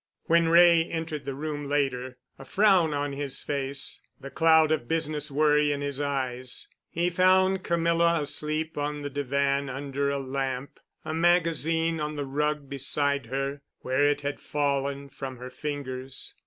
When Wray entered the room later, a frown on his face, the cloud of business worry in his eyes, he found Camilla asleep on the divan under a lamp, a magazine on the rug beside her, where it had fallen from her fingers.